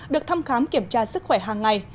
được thăm khám kiểm tra sức khỏe hàng ngày